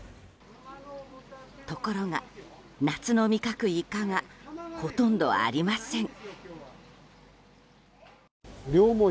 ところが夏の味覚イカがほとんどありません。